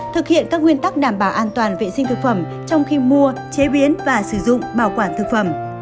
thực hiện các nguyên tắc đảm bảo an toàn vệ sinh thực phẩm trong khi mua chế biến và sử dụng bảo quản thực phẩm